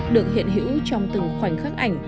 được hiện hữu trong từng khoảnh khắc ảnh